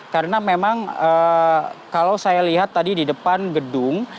karena memang kalau saya lihat tadi di depan gedung